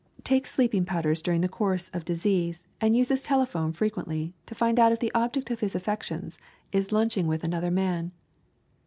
Takes sleeping powders during course of disease and uses telephone frequently to find out if the object of his affections is lunching with another man.